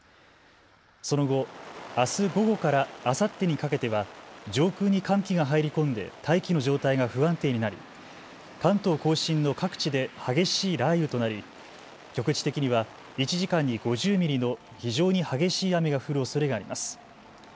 その後あす午後からあさってにかけては上空に寒気が入り込んで大気の状態が不安定になり関東甲信の各地で激しい雷雨となり局地的には１時間に５０ミリの非常に激しい雨が降るおそれがあります。